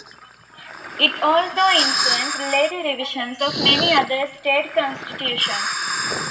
It also influenced later revisions of many other state constitutions.